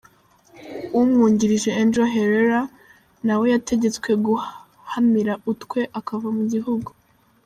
Umwungirije, Ángel Herrera, nawe yategetswe guhamira utwe akava mu gihugu.